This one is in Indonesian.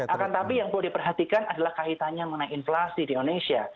akan tapi yang perlu diperhatikan adalah kaitannya mengenai inflasi di indonesia